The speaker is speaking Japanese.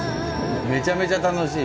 めちゃめちゃ楽しい。